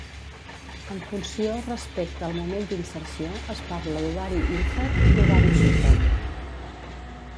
En funció respecte al moment d'inserció es parla d'ovari ínfer i d'ovari súper.